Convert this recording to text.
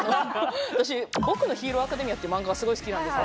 私「僕のヒーローアカデミア」っていう漫画がすごい好きなんです。